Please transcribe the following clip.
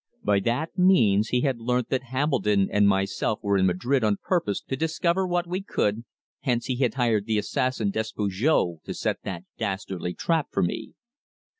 By that means he had learnt that Hambledon and myself were in Madrid on purpose to discover what we could, hence he had hired the assassin Despujol to set that dastardly trap for me.